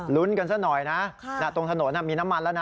กันซะหน่อยนะตรงถนนมีน้ำมันแล้วนะ